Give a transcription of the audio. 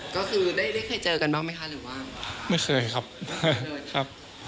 ก็คือได้เคยเจอกันบ้างไหมคะหรือว่า